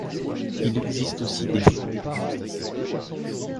Il existe aussi des fumets de crustacés.